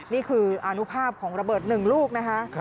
นี่คืออนุภาพของระเบิด๑ลูกนะคะ